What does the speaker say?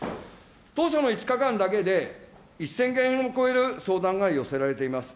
当初の５日間だけで、１０００件を超える相談が寄せられています。